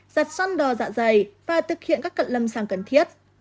giặt xăn đò dạ dày và thực hiện các cận lâm sàng cần thiết